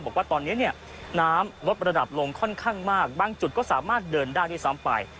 บอกว่าตอนนี้เนี่ยน้ำลดระดับลงค่อนข้างมากบางจุดก็สามารถเดินได้ด้วยซ้ำไป